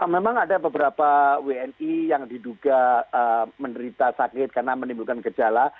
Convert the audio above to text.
memang ada beberapa wni yang diduga menderita sakit karena menimbulkan gejala